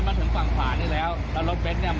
ถนนมันเป็นยังไงครับที่นี้มันมืดเหรอครับ